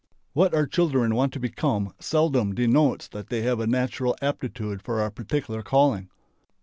What our children want to become ... seldom denotes that they have a natural aptitude for a particular calling.